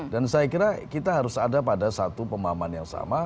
dan saya kira kita harus ada pada satu pemahaman yang sama